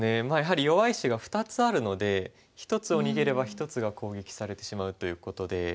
まあやはり弱い石が２つあるので１つを逃げれば１つが攻撃されてしまうということで。